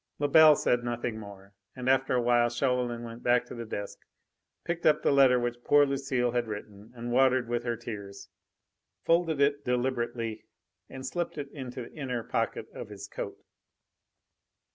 Lebel said nothing more, and after a while Chauvelin went back to the desk, picked up the letter which poor Lucile had written and watered with her tears, folded it deliberately and slipped it into the inner pocket of his coat.